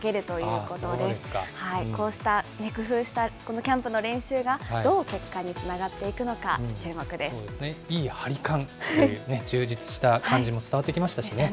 こうした工夫したこのキャンプの練習がどう結果につながっていくそうですね、いい張り感、充実した感じも伝わってきましたしね。